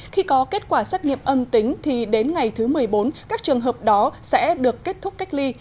khi có kết quả xét nghiệm âm tính thì đến ngày thứ một mươi bốn các trường hợp đó sẽ được kết thúc cách ly